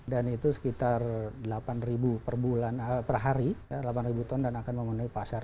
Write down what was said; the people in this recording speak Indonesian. dan itu sekitar delapan ribu per hari delapan ribu ton dan akan memenuhi pasar